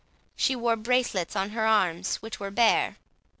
She wore bracelets on her arms, which were bare.